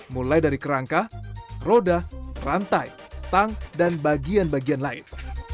mulai dari kerangka roda rantai stang dan bagian bagian lain